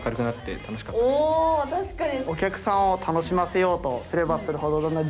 おお確かに。